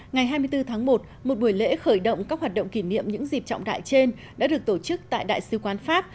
ngày hai mươi bốn tháng một một buổi lễ khởi động các hoạt động kỷ niệm những dịp trọng đại trên đã được tổ chức tại đại sứ quán pháp